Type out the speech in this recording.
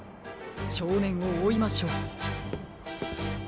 しょうねんをおいましょう。